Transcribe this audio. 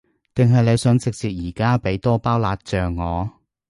定係你想直接而家畀多包辣醬我？